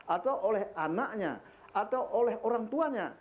atau oleh anaknya atau oleh orang tuanya